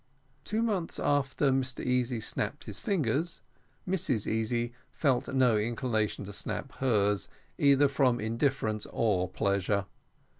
Two months after Mr Easy snapped his fingers, Mrs Easy felt no inclination to snap hers, either from indifference or pleasure.